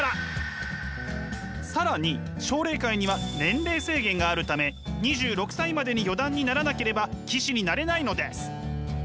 更に奨励会には年齢制限があるため２６歳までに四段にならなければ棋士になれないのです！